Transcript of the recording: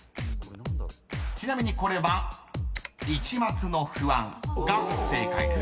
［ちなみにこれは「一抹の不安」が正解です］